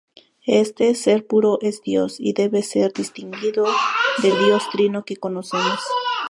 Este ser puro es Dios, y debe ser distinguido del Dios trino que conocemos.